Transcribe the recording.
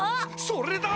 それだ！